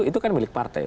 itu kan milik partai